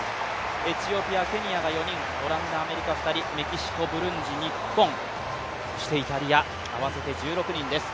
エチオピア、ケニアが４人、オランダ、アメリカが２人、メキシコ、ブルンジ、日本、そしてイタリア、合わせて１６人です。